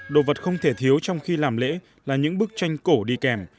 đồ vật không thể thiếu trong khi làm lễ là những bức tranh cổ đi kèm